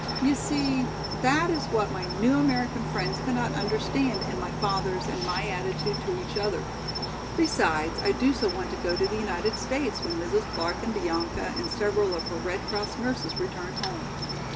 You see that is what my new American friends cannot understand in my father's and my attitude to each other. Besides, I do so want to go to the United States when Mrs. Clark and Bianca and several of her Red Cross nurses return home.